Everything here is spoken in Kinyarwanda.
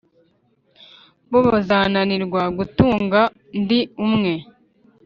bo bazananirwa kuntunga ndi umwe?